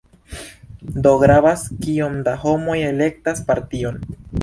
Do gravas, kiom da homoj elektas partion.